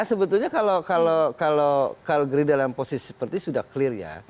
sebetulnya kalau kalgeri dalam posisi seperti itu sudah clear ya